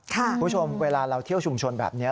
คุณผู้ชมเวลาเราเที่ยวชุมชนแบบนี้